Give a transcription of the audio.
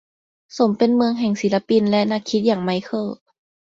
สมเป็นเมืองแห่งศิลปินและนักคิดอย่างไมเคิล